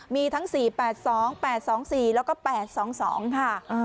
มีทั้งสี่แปดสองแปดสองสี่แล้วก็แปดสองสองค่ะอ่า